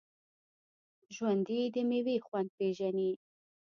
ژوندي د میوې خوند پېژني